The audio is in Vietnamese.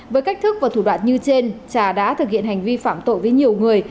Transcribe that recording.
với cách thức và thủ đoạn như trên trà đã thực hiện hành vi phạm tội với nhiều người